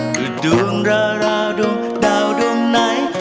คือดวงราราดวงดาวดวงไหน